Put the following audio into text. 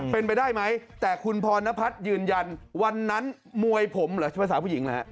เป็นไปได้ไหมแต่คุณพรณพัฒน์ยืนยันวันนั้นมวยผมเหรอใช่ภาษาผู้หญิงเหรอฮะ